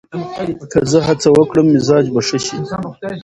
که زه هڅه وکړم، مزاج به ښه شي.